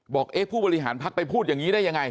เอ๊ะผู้บริหารพักไปพูดอย่างนี้ได้ยังไง